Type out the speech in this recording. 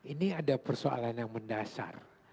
ini ada persoalan yang mendasar